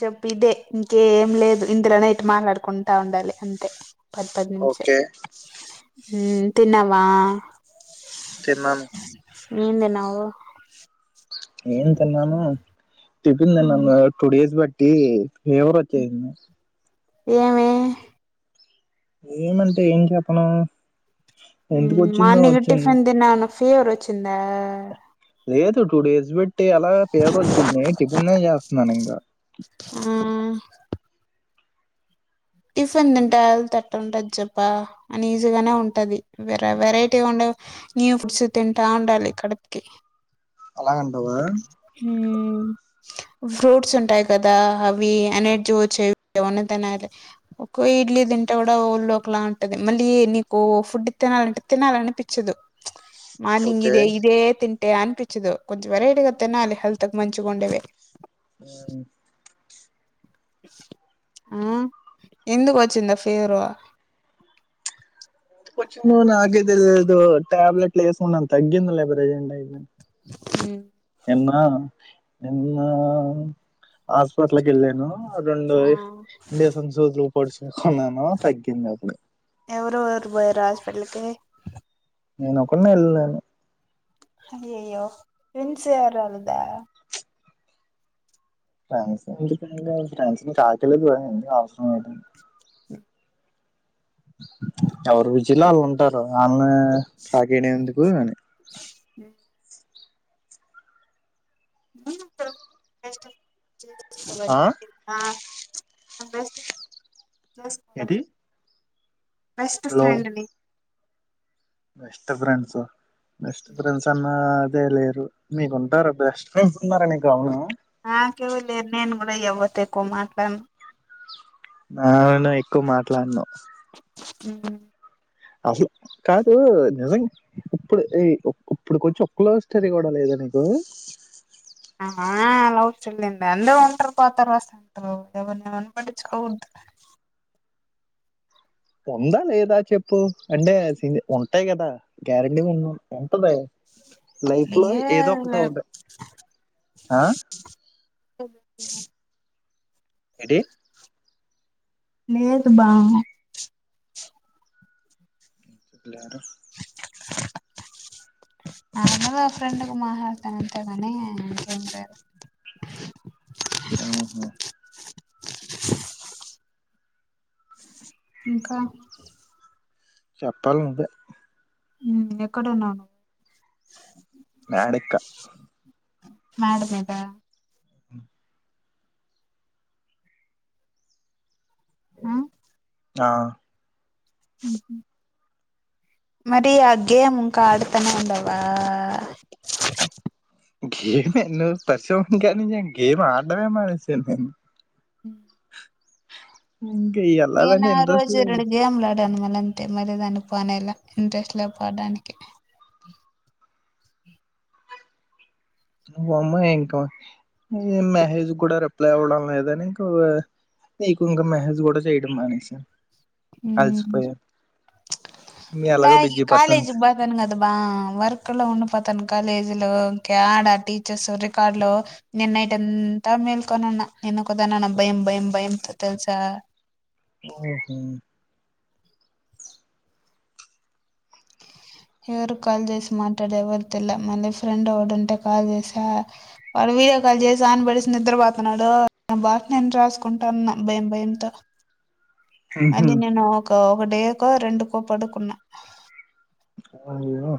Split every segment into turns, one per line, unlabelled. చెప్పు ఇదే ఇంకే ఏం లేదు ఇందులో నైట్ మాట్లాడుకుంటా ఉండాలి అంతే పది పది నిమిష
ఓకే
తిన్నావా
తిన్నాను
ఏం తిన్నావు
ఏం తిన్నాను టిఫిన్ తిన్నాను టూ డేస్ బట్టి ఇ ఫేవరేట్ అయింది
ఏమి
ఏమంటే ఏం చెప్పను
ఉ
ఎందుకు వచ్చిందో
మార్నింగ్
వచ్చింది
టిఫిన్ తిన్నాను ఫీవర్ వచ్చింద
లేదు టూ డేస్ బట్ టి అలా ఫేవర్ వచ్చింది టిఫిన్ే చేస్తున్నాను ఇంకా
ఉమ్ టిఫిన్ తింటా తట్టు ఉంటది చెప్ప అని ఈజీగానే ఉంటది వెర వెరైటీ ఉండ న్యూ ఫుడ్స్ తింటా ఉండాలి కడుపకి
అలా అంటావా
హ ఫ్రూట్స్ ఉంటాయి కదా అవి ఎనర్జీ వచ్చేవి అవి అన్ని తినాలి ఒక ఇడ్లీ తింటే కూడా ఓళ్ళు ఒకలా ఉంటది మళ్ళీ నీకు ఫుడ్ తినాలంటే తినాలీ అనిపించదు మార్నింగ్
ఓకే
ఇదే ఇదే తి ే అనిపించదు కొంచెం వెరైటీ గా తినాలి అ హల్త్్ మంచంచిుకుండేవి
ఎందుకు
ఆ ఎందుకు వచ్చిందా ఆ ఫీవరు
[unintelligible] నాకే తెలీదు ట్యాబ్లేెట్ వేసుకున్న తగ్గింది లే ప్రెసెంట్
[unintelligible]
నిన్న నిన్న హాస్పిటల్కి వెళ్ళాను రెండు ఇంజెక్షన్ గ్లూ పొడిశా అన్నానా తగ్గింది అప్పుడు
ఎవరెవరు పోయారు హాస్పిటల్ కి
నేను ఒకన్నే వెళ్ళను
అయ్యయ్యో ఫ్రెండ్స్ ఎవరు రాలేదా
ఫాన్సి ఇండిపెండెడ్ ఫ్రాన్సు ఆకలె దూరంగుంది అవసరం లేదు. ఎవరు జిల్లళ్ళు ఉంటారు నా ఫాకిని ఎందుకూ అని
మీర్ [unintelligible] ఎవర్
ఆ
నిన్ ఆ [unintelligible] చెస్
ఏంటి
[unintelligible] బెస్ట్
లో
ఫ్రెండ్ ని
బెస్ట్ ఫ్రెండ్సు బెస్ట్ ఫ్రెండ్స్ అన్నా అదే లేరు మీకుంటారు బెస్ట్ ఫ్రెండ్స్ ఉన్నార నుకు ఔనా
తే కువ్ మాట్లాన్
నాన ఎక్కువ మాట్లాను
హు
అసల కాదు నిజం ఇప్పుడె ఈ ఇప్పుడు కొంచం ఒక్కలో స్టరి కూడా లేదా నీకు
ఆ లవ్ సెర్ లేండి అందరూ ఉంటరు పోతారు వస్ అంటరు, ఎవర్ నెవన్ పట్టించుకోవద్.
ఉందా లేదా చెప్పు అంటే సింగ్ ఉంటాయ్ కదా గ్యారెంటీగా ఉన్ను దే లైఫ్ లో ఏదో
లేదు లే
ఒకటుంట్ ఆ ఏంటి
లేేదు బా
[unintelligible]
నార్మల్లా ఫ్రెండ్ కు మాహలత్తను అంతేకాని ఇంకేంలేదు.
ఉహు
ఇంక
చప్పాల్ నువ్వే
ఉ ఎక్కడ ఉన్నావ్ నువ్వు
మేడెక్క
మ్యాడ మీద
ఉ
ఆ
ఆ
మరి ఆ గేమ్ ఇంక ఆడతానే ఉండావా
గేమ్ ఎన్లో పరిషం గానించి, గేమ్ ఆడ్డమే మానేసాను నేన్
అ
ఇంక ఏళ్ళలని ఇంట్రెస్ట్ లేదు.
తాను మల్ అంతే మరి దాన్ని పోనేలే ఇంట్రెస్ట్ లే పోడానికి
నువ్వు అమ్మాయి ఇంక మేసెజ్ కూడ రిప్లై ఇవ్వడం లేదని ఇంకో, నీకు ఇంక మెసేజ్ కూడ చేయడం మానేసా
హు,
మీ
ర
ఎలాగో
లాయ్
బిజీ
కాలేజ్
పర్సన్స్
కి పోతాను కదా బా వర్క్ లొ ఉంను పొ తన కాలేజీలో ఇంకా ఆడా టీచర్స్ రికార్డ్లు నేన్ నైటంత మేల్కొనున్న నే ఒక్కదనే ఉన్న భయం భయం భయంతో తెలుసా
ఓ ఏ హుమ్
ఎవరు కాల్ చేసి మాట్లాడ ఎవరి తెల్ల మళ్ళీ ఫ్రెండ్ ఒకడుంటే కాల్ చేసా, వాడు వీడియో కాల్ చేసి ఆన్ బడేసి నిద్రపోతున్నాడు. బాగ్ నేను రాసుకుంటాన్న భయం భయంతో అది నే నాకు ఒడేకో రెండుకో పడుకున్న
అయ్యో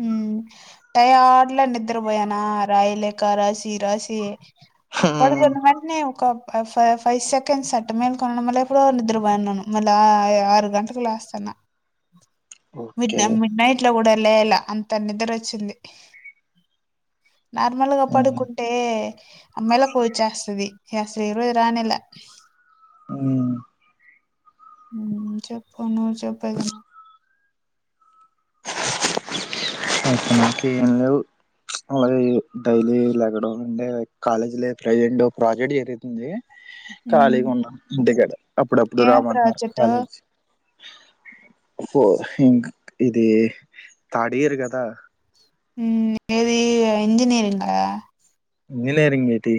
హుమ్ టయాడ్ల నిద్రపోయాన రాయిలేక రాసి రాసి రాసి పడుకొనివెంటనే ఒక ఫై ఫైవ్ సెకండ్స్ అట్ట మేలు కోనున్న మళ్ళ ఎప్పుడో నిద్రపోయినునేను, మళ్ళ ఆరు గంటలకు లెస్తాన్న మిడ్
ఓకే ఓకే
మిడ్నైట్ లో కూడ లేలా అంత నిద్ర ఒచ్చింది నార్మల్గా పడుకుంటే మెలుకువ ఓచేస్తది ఈరోజు రానేలె
హుమ్
ఉమ్ చెప్పు నువ్వు చెప్పు ఏదన్న
అ మకి ఏం లేవు అ డైలీ లెగడం అంటె కాలేజీ ప్రెజెంట్ ప్రాజెక్ట్ జరుగుతుంది [unintelligible]
ఉమ్
ఖాళీగా ఉన్నాం ఇంటి కాడ అప్పుడప్పుడు
ఏం
రామంటున్నారు
ప్రాజెక్ట్
కాలేజ్ ఓహొ ఇంక్ ఇదీ తాడియర్ కదా
ఉమ్ ఏ దీ ఇంజినీరింగా
ఇంజనీరింగ్ ఏటి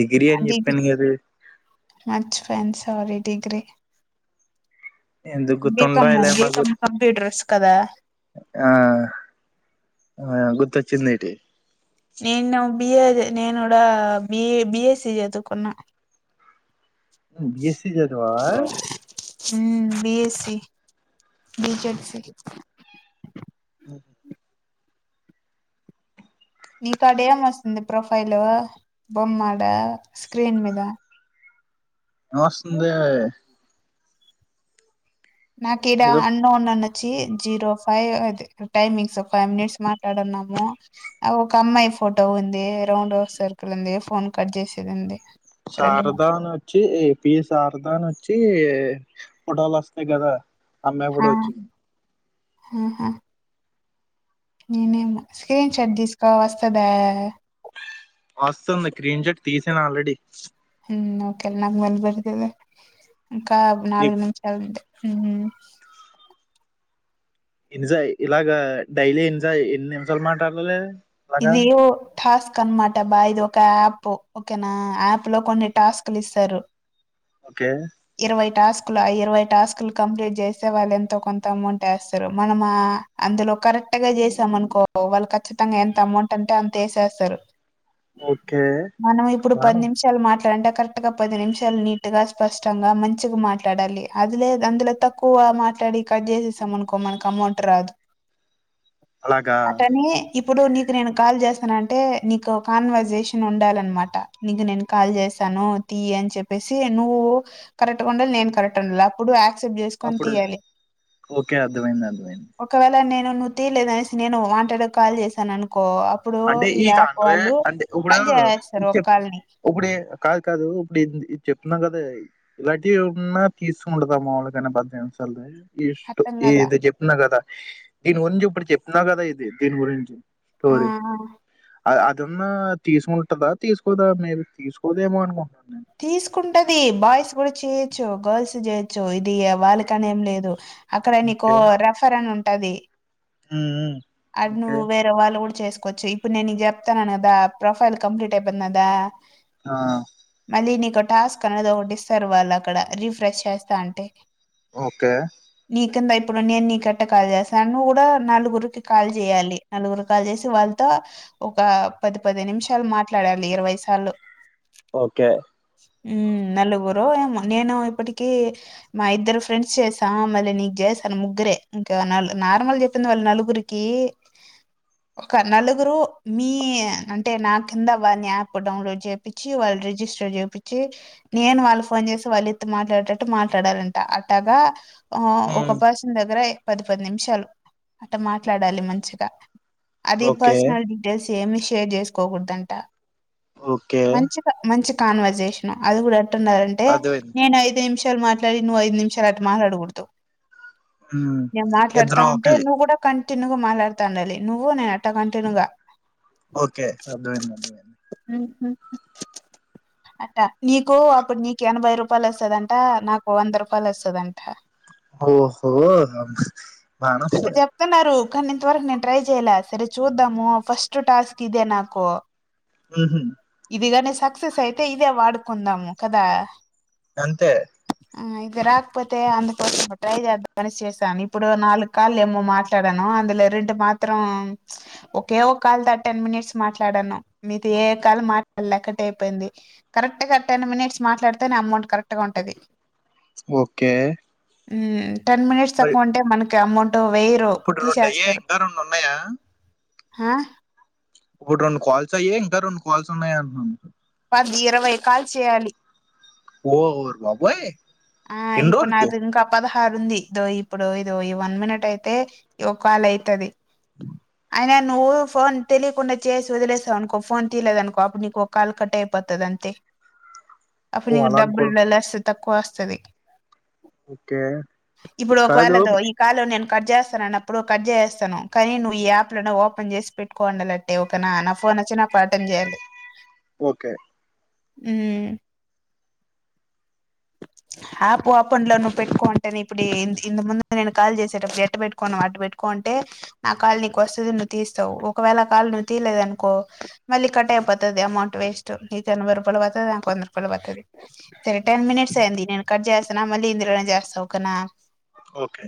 డిగ్రీ అని
డిగ్రీ
చెప్పాను కదూ
మర్చిపోయాను సారీ డిగ్రీ
ఎందుకు
బి. కమ్
గుర్తుండలే
బి.
మాకు
కమ్ కంప్యూటర్స్ కదా
ఆ ఆ గుర్తొచ్చిందేటి
నేను నా బి ఎ ది నేనొడ బి. A B. ఎస్సీ చదువుకున్నా
నువ్ బి. ఎస్సీ జదువావ
B. SC B. Z. C
ఉహు
నీకా ఆడ ఏం వస్తుంది ప్రొఫైల్ బొమ్ ఆడ స్క్రీన్ మీద
నమస్తుందే
నాక్ ఇరా
ఏదో
అన్నోన్ అన్నది వచ్చి zero five timings five minutes మాట్లాడున్నాము. ఒక అమ్మాయి ఫోటో ఉంది రౌండ్ సర్కిల్ ఉంది. ఫోన్ కట్ చేసేది ఉంది. రెడ్
శారదాన్ వచ్చి ఏపి శారదాన్ వచ్చి చి పోటోలస్తయి కదా అమ్మాయి కూడా వచ్చింది
యూహ్ హా నేనేమీ స్క్రీన్ షాట్ తీసుకో వస్తందా
వస్తుంది స్క్రీన్ షర్ట్ తీసాను ఆల్రెడీ
హమ్ ఓకే, నాకు మళ్ళీ పెడుతూ గాని ఇంకా నాలుగు నిషాలంది ఉమ్
ఎన్ని ఇలాగ డైలీ ఎన్నిసా ఎన్ని నిమిషాలు మాట్లాదాతలే
ఇది ఓ టాస్క్ అనమాట బా ఇది ఒక యాప్ ఓకేనా యాప్ లో కొన్ని టాస్క్ లు ఇస్తారు
ఓకే
ఇరవై టాస్క్ ఇరవై టాస్కులు కంప్లీట్ చేస్తే వాళ్ళు ఎంతో కొంత అమౌంట్ వేస్తారు మనము అందులో కరెక్ట్ గా చేసాంనుకో వాళ్ళు కచ్చితంగా ఎంత అమౌంట్ అంటే అంత వేసేస్తారు
ఓకే.
మనం ఇప్పుడు పది
బాను
నిమిషాలు మాట్లాడంట కరెక్ట్ గా పది నిమిషాలు నీట్ గా స్పష్టంగా మంచిగా మాట్లాడాలి అదిలే అందులో తక్కువ మాట్లాడి కట్ చేసేసాం అనుకో మనకు అమోటర్ రాదు
అలాగా
అటనే ఇప్పుడు నీ నేను కాల్ చేస్తానంటే నీకు కాన్వర్సేషన్ ఉండాలనమాట నీకు నేను కాల్ చేస్తాను తీి అని చెప్పేసి నువ్వు కరెక్ట్ ఉండాలి నేను కరెక్ట్ ఉండడు ట్ చేసుకొని
అప్పుడు
తీయాలి
ఓకే. అర్థమైంది. అర్థమైంది.
ఒకవేళ నేను నువ్ తీయలేద అనేసి నేను మాంటా కాల్ చేశాను అను
అంటే ఈ కా అండ్ర అంటే ఇప్పుడు
కట్ చేసేస్తారు
చె
ఒక కాల్ని
ఇప్పుడు కాదు కాదు ఇప్పుడు ఇది చెప్తున్నాం కదా అదే ఇలాంటివి ఉన్నా పీసు ఉంటదా మాముళకైనా పద్దనామి సాల [unintelligible] ఇష్ట
అర్థం కాల
ఇది చెప్తుిన కదా దీని గురించి ఇప్పుడు చెప్తున్నా కదా ఇది దీని గురించి
ఆ
అందున్న తీసుకు
తీసుకుంటది బాయ్స్ కూడా చేయొచ్చు గర్ల్స్ చేయొచ్చు ఇది వాళ్ళకని ఏం లేదు అక్కడ నీకు రిఫర్ అని ఉంటాది
ఉమ్
అది నువ్ వేరే వాళ్ళు కూడా చేసుకో చ్చు ఇప్పుడు నేను చెప్తాన్నాను కదా ప్రొఫైల్ కంప్లీట్ అయిపోయింది కదా
ఆహ్
మళ్ళీ టాస్క్ అనేది ఒకటి ఇస్తారు వాళ్ళు అక్కడ రిఫ్రెష్ చేస్తా ఉంటే
ఓకే
ఇప్పుడు నీకెత్త కాల్ చేస్తా నువ్వు కూడా నలుగురుకి కాల్ చేయాలి నలుగురు కాల్ చేసి వాళ్ళతో ఒక పది పది నిమిషాలు మాట్లాడాలి ఇరవై సార్లు
ఓకే
మ్మ్ నలుగురో ఏమో నేను ఇప్పటికి మా ఇద్దరు ఫ్రెండ్స్ చేసా మళ్ళీ నీకు చేస్తన్న ముగ్గురే ఇంకా నలు నార్మల్ చెప్పింది వాళ్ళు నలుగురి కి ఒక నలుగురు మీ అంటే నా కింద వాన్ యాప్ డౌన్లోడ్ చెప్పిచ్చి వాళ్ళు రిజిస్టర్ చేపిచ్చి నేను వాళ్ళు ఫోన్ చేస్ వాళ్ళ ఎత్తు మాట్లాడేటట్టు మాట్లాడాలంట అట్టగా ఆ ఒక
హ్మ్.
పర్సన్ దగ్గరే పది పది నిమిషాలు అట్ట మా ట్లాడాలి మంచిగా అదే
ఓకే.
పర్సనల్ డీటెయిల్స్ ఏమి షేర్ చేసుకోకూడదంట
ఓకే.
మంచిగా మంచి కాన్వర్జేషన్ అది కూడా అంటున్నారంటే
అర్థమైంది
నేను ఐదు నిమిషం ఇద్దరు మాట్లాడి నువ్వు ఐదు నిమిషాలు అటు మాట్లాడకూడదు
ఉమ్
నేను మాట్లాడుతా
ఇద్దరు
ఉంటే
ఓకే
నువ్వు కూడా కంటిన్యూ గా మాట్లాడతండలి నువ్వు నేన్ [unintelligible] కంటిన్యూ గా
ఓకే అర్థమైంది అర్థమైంది
మ్మ్ మ్మ్ అట్ట నీకు అప్పుడు నీకు ఎనభై రూపాయలు వస్తదంట నాకు వంద రూపాయలు వస్తదంట
ఓహో బానే వస్తది
న్నారు కానీ ఇంతవరకు నేను ట్రై చేయల సరే చూద్దాము ఫస్ట్ టాస్క్ ఇదే నాకు
ఊహూ
ఇది గాని సక్సెస్ అయితే ఇదే వాడుకుందాము కదా
అంతే
ఆ ఇది రాకపోతే అందుకోసం ట్రై చేద్దామని చేశాను ఇప్పుడు నాలుగు కాల్లు ఏమో మాట్ మాట్లాడాను అందులో రెండు మాత్రం ఒకే ఒక కాల్ ద టెన్ మినిట్స్ మాట్లాడాను మీతో ఏ కాల్ మాట్లాడలే కట్ అయిపోయింది కరెక్ట్ గా టెన్ మినిట్స్ మాట్లాడితేనే అమౌంట్ కరెక్ట్ గా ఉంటది
ఓకే
హ్మ్ టెన్ మినిట్స్
మరి
తక్కువుంటే మనకి అమౌంట్ అటు వేయరు
ఇప్పుడు రెండయ్యాయి ఇంకా రెండు ఉన్నాయా
హా
ఇప్పుడు రెండు కాల్స్ అయ్య ఇంకా రెండు కాల్స్ ఉన్నాయి అంటున్నాను
అది ఇరవై కాల్స్ చేయాలి
ఓ ఓ బాబోయ్ ఎన్ని రోజులు
కారు ఉంది ఇదో ఇప్పుడు ఇదో ఈ వన్ మినిట్ అయితే ఒక కాల అయితుది అయి నువ్వు ఫోన్ తెలియకుండా చేసి వదిలేసావు అనుకో ఫోన్ తీలేదు అనుకో అప్పుడు నీకో కాల్ కట్ అయిపోతుంది అంతే
ఓ
అప్పుకు
అలాగ
డబ్బుల్
కూడా
లాస్ తక్కువ వస్తది
ఓకే
ఇప్పుడు
కాదు
ఒకవేళతో ఈ కా లం నేను కట్ చేస్తాను అన్నప్పుడు కట్ చేసేస్తాను కానీ నువ్వు ఈ యాప్లను ఓపెన్ చేసి పెట్టుకోండాలిట్టే ఒకనా నా ఫోన్ వచ్చి నాకు అటెన్ చేయాలి
ఓకే
ఉ ఆప్ ఓపెన్లో నువ్వు పెట్టుకొంటే ఇప్పుడు డే ఇంత ముందు నేను కాల్ చేసేటప్పుడు ఎట్ట పెట్టుకోను అటు పెట్టుకో అంటే నా కాల్ నీకు వస్తది నువ్వు తీస్తావు ఒకవేళ కాల్ నువ్వు తీయలేదు అనుకో మళ్ళీ కట్ అయిపోతది అమౌంట్ వేస్ట్ నీకు ఎనభై రూపాయలు పడుతది నాకు వంద రూపాయలు పడుత ది సరే టెన్ మినిట్స్ ఐంది నేను కట్ చేసుతున్న మళ్ళీ ఇందులో చేస్తా ఒకేనా
ఓకే